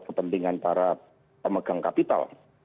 ketentingan para pemegang kapital